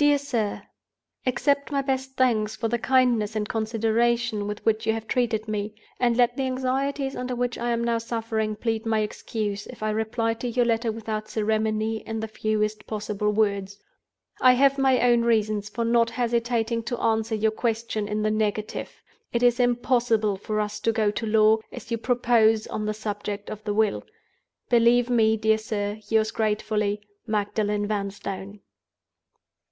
"DEAR SIR, "Accept my best thanks for the kindness and consideration with which you have treated me; and let the anxieties under which I am now suffering plead my excuse, if I reply to your letter without ceremony, in the fewest possible words. "I have my own reasons for not hesitating to answer your question in the negative. It is impossible for us to go to law, as you propose, on the subject of the Will. "Believe me, dear sir, yours gratefully, "MAGDALEN VANSTONE."